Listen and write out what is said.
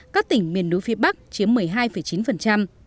các tỉnh miền núi phía bắc chiếm một mươi hai chín